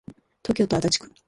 東京都足立区